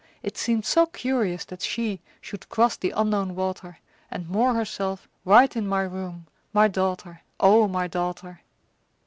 It seemed so curious that she Should cross the Unknown water, And moor herself right in my room, My daughter, O my daughter!